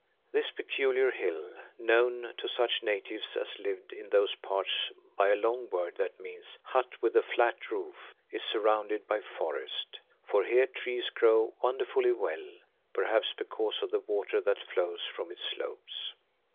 This peculiar hill, known to such natives as lived in those parts by a long word that means "Hut with a flat roof," is surrounded by forest, for here trees grow wonderfully well, perhaps because of the water that flows from its slopes.